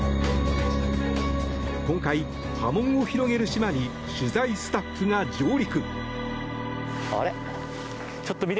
今回、波紋を広げる島に取材スタッフが上陸。